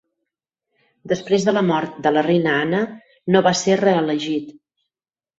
Després de la mort de la reina Anna, no va ser reelegit.